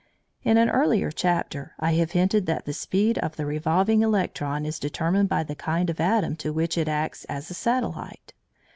In an earlier chapter I have hinted that the speed of the revolving electron is determined by the kind of atom to which it acts as a satellite.